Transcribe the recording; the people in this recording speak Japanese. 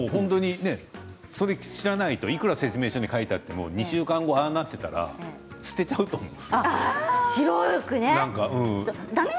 それを知らないといくら説明書に書いてあっても２週間後に、あの状態だったら捨てちゃうと思う。